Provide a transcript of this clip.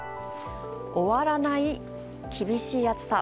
終わらない、厳しい暑さ。